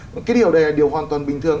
cái điều này là điều hoàn toàn bình thường